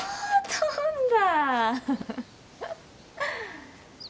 飛んだ！